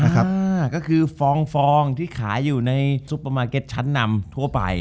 ก็คือฟองฟองที่ขายอยู่ในซุปเปอร์มาร์เก็ตชั้นนำทั่วไป